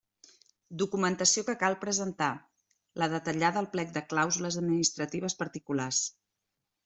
Documentació que cal presentar: la detallada al plec de clàusules administratives particulars.